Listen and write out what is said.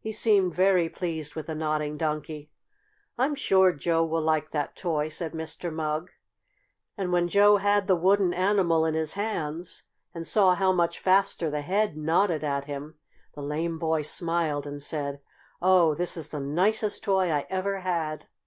He seemed very pleased with the Nodding Donkey." "I'm sure Joe will like that toy," said Mr. Mugg. And when Joe had the wooden animal in his hands, and saw how much faster the head nodded at him, the lame boy smiled and said: "Oh, this is the nicest toy I ever had!"